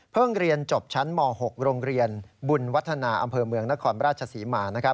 เรียนจบชั้นม๖โรงเรียนบุญวัฒนาอำเภอเมืองนครราชศรีมา